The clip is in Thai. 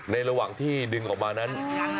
ระหว่างที่ดึงออกมานั้น